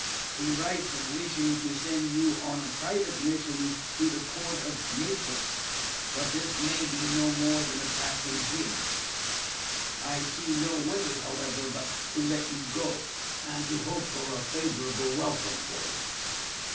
He writes of wishing to send you on a private mission to the court of Naples; but this may be no more than a passing whim. I see no way, however, but to let you go, and to hope for a favourable welcome for you.